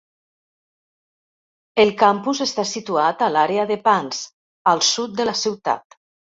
El campus està situat a l"àrea de Pance, al sud de la ciutat.